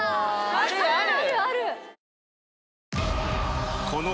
あるある！